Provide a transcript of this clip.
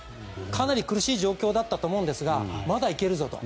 かなり苦しい状況だと思うんですがまだいけるぞと。